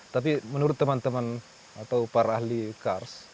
tapi menurut teman teman atau para ahli kars